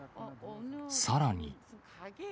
さらに。